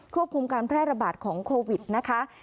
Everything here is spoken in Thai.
ควบคุมการแพร่ระบาดของโควิดนะคะ